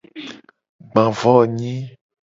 Gba vo nyi.